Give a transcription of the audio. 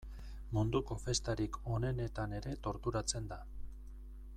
Munduko festarik onenetan ere torturatzen da.